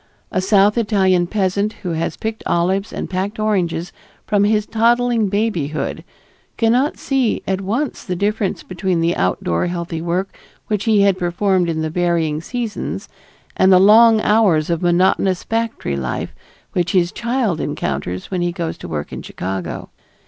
A South Italian peasant who has picked olives and packed oranges from his toddling babyhood cannot see at once the difference between the outdoor healthy work which he had performed in the varying seasons, and the long hours of monotonous factory life which his child encounters when he goes to work in Chicago.